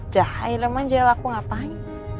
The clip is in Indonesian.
jahil emang jahil aku ngapain